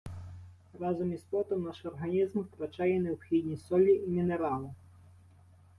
Разом із потом наш організм втрачає і необхідні солі і мінерали